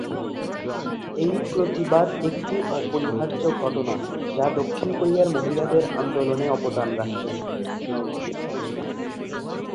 এই প্রতিবাদ একটি অপরিহার্য ঘটনা, যা দক্ষিণ কোরিয়ায় মহিলাদের আন্দোলনে অবদান রাখে।